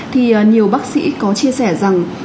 thì nhiều bác sĩ có chia sẻ rằng